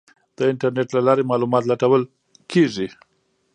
د انټرنیټ له لارې معلومات لټول کیږي.